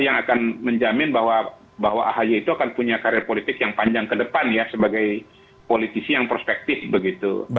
yang akan menjamin bahwa ahy itu akan punya karir politik yang panjang ke depan ya sebagai politisi yang prospektif begitu